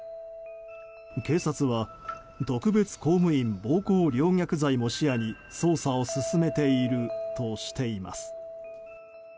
警察は特別公務員暴行陵虐罪も視野に捜査を進めているとしています。